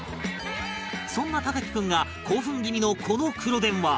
そんな隆貴君が興奮気味のこの黒電話